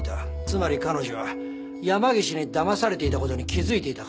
つまり彼女は山岸にだまされていた事に気づいていた可能性がある。